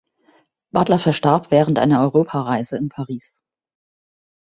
Butler verstarb während einer Europareise in Paris.